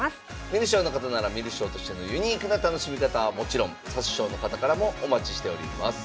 観る将の方なら観る将としてのユニークな楽しみ方はもちろん指す将の方からもお待ちしております。